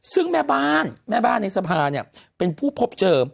ซึ่งแม่บ้านแม่บ้านในสภาเนี่ยเป็นผู้พบเจอ